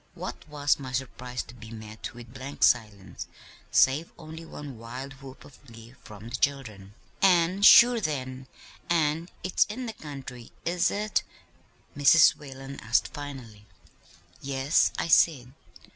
What was my surprise to be met with blank silence, save only one wild whoop of glee from the children. "'An' sure then, an' it's in the country; is it?' Mrs. Whalen asked finally. "'Yes,' I said.